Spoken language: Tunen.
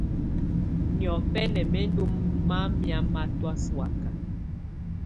Niɔfɛ̀na mɛ̀ ndù mamɛ̀á matɔ̀́á sɔ̀áka.